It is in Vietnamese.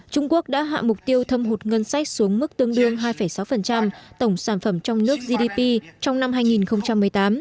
trung quốc đã hạ mục tiêu thâm hụt ngân sách xuống mức tương đương hai sáu tổng sản phẩm trong nước gdp trong năm hai nghìn một mươi tám